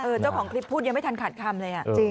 เจ้าของคลิปพูดยังไม่ทันขาดคำเลย